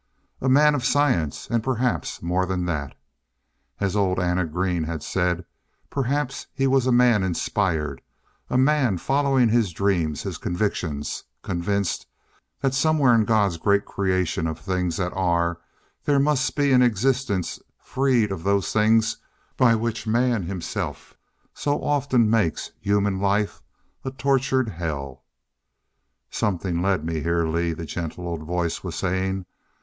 A man of science; and perhaps more than that. As old Anna Green had said, perhaps he was a man inspired a man, following his dreams, his convictions, convinced that somewhere in God's great creation of things that are, there must be an existence freed of those things by which Man himself so often makes human life a tortured hell. "And Something led me here, Lee," the gentle old voice was saying.